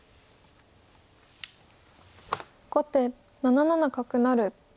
後手７七角成。